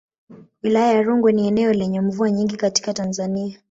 Wilaya ya Rungwe ni eneo lenye mvua nyingi katika Tanzania